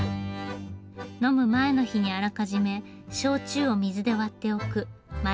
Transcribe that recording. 呑む前の日にあらかじめ焼酎を水で割っておく前割り。